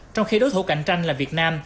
trong khi đối thủ cạnh tranh là việt nam